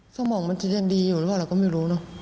สมองมันจะยังดีอยู่หรือเปล่าเราก็ไม่รู้เนอะ